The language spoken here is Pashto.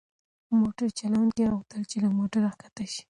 موټر چلونکي غوښتل چې له موټره کښته شي.